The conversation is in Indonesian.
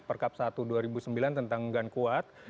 perkap satu dua ribu sembilan tentang unggahan kuat